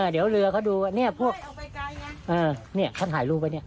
เดี๋ยวเรือเขาดูนี่พวกนี่เขาถ่ายรูปไปเนี่ย